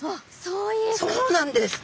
そうなんです。